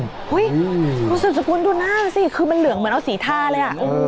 คุณสุดสกุลดูหน้าสิคือมันเหลืองเหมือนเอาสีทาเลย